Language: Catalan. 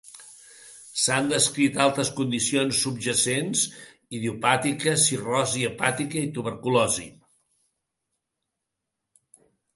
S'han descrit altres condicions subjacents: idiopàtica, cirrosi hepàtica, tuberculosi.